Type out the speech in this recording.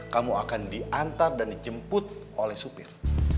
kamu akan diantar dan dijemput oleh supir